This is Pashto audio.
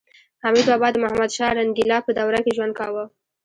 حمید بابا د محمدشاه رنګیلا په دوره کې ژوند کاوه